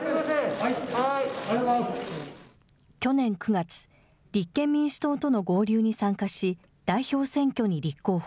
去年９月、立憲民主党との合流に参加し、代表選挙に立候補。